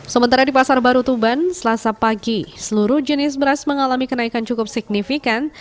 sementara di pasar baru tuban selasa pagi seluruh jenis beras mengalami kenaikan cukup signifikan